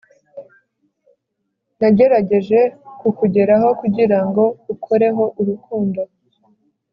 nagerageje kukugeraho kugirango ukoreho urukundo